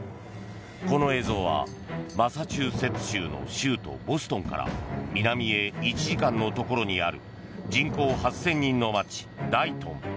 この映像はマサチューセッツ州の州都ボストンから南へ１時間のところにある人口８０００人の街、ダイトン。